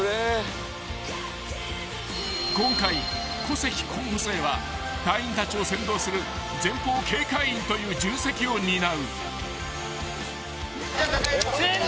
［今回小関候補生は隊員たちを先導する前方警戒員という重責を担う］